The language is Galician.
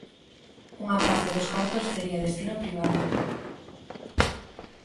Unha parte dos cartos tería "destino privado".